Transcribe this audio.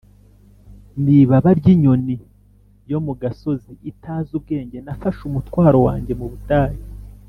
n'ibaba ry'inyoni yo mu gasoziitazi ubwenge, nafashe umutwaro wanjye mu butayu.